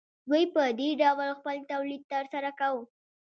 دوی په دې ډول خپل تولید ترسره کاوه